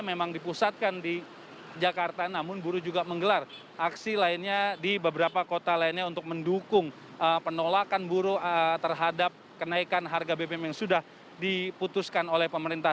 memang dipusatkan di jakarta namun buruh juga menggelar aksi lainnya di beberapa kota lainnya untuk mendukung penolakan buruh terhadap kenaikan harga bbm yang sudah diputuskan oleh pemerintah